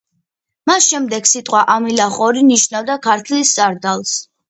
მას შემდეგ სიტყვა „ამილახორი“ ნიშნავდა ქართლის სარდალს.